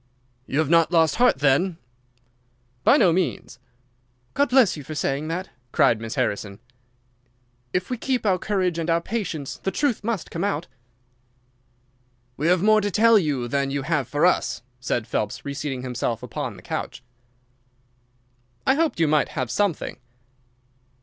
"You have not lost heart, then?" "By no means." "God bless you for saying that!" cried Miss Harrison. "If we keep our courage and our patience the truth must come out." "We have more to tell you than you have for us," said Phelps, reseating himself upon the couch. "I hoped you might have something."